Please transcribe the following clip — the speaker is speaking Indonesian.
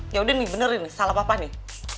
yaudah nih bener ini salah papa nih